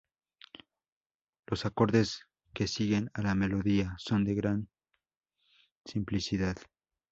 Los acordes que siguen a la melodía son de gran simplicidad.